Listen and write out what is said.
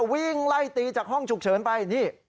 วิ่งไล่ตีจากห้องฉุกเฉินไปนี่